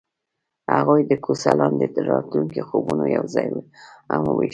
هغوی د کوڅه لاندې د راتلونکي خوبونه یوځای هم وویشل.